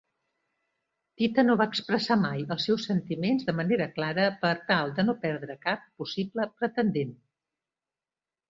Tita no expressa mai els seus sentiments de manera clara per tal de no perdre cap possible pretendent.